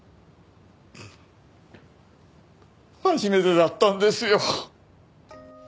初めてだったんですよ！